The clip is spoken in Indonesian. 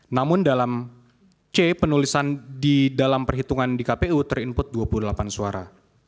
namun dalam c penulisan di dalam perhitungan di kpu ter input dua puluh delapan suara